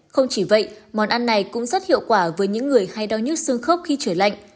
không chỉ vậy món ăn này cũng rất hiệu quả với những người hay đau nhức xương khớp khi trời lạnh